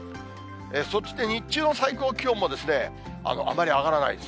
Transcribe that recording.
そして日中の最高気温も、あまり上がらないんです。